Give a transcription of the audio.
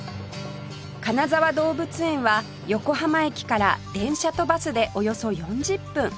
金沢動物園は横浜駅から電車とバスでおよそ４０分